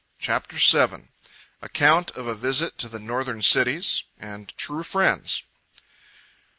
CHAPTER VII. Account of A Visit to the northern Cities True Friends.